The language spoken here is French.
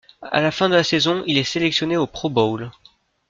À la fin de la saison, il est sélectionné au Pro Bowl.